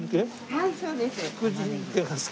はいそうです。